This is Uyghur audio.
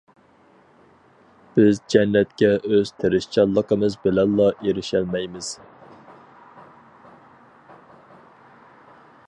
بىز جەننەتكە ئۆز تىرىشچانلىقىمىز بىلەنلا ئېرىشەلمەيمىز.